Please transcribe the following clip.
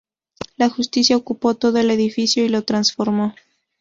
La Justicia ocupó todo el edificio y lo transformó.